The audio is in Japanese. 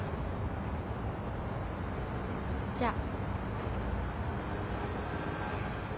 じゃあ。